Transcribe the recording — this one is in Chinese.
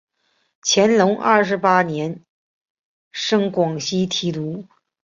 乾隆二十八年升广西提督。